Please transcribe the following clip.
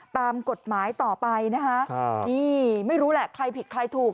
ตามกฎหมายต่อไปนะคะนี่ไม่รู้แหละใครผิดใครถูก